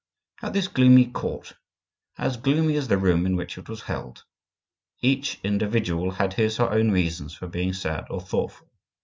At this gloomy court, as gloomy as the room in which it was held, each individual had his or her own reasons for being sad or thoughtful.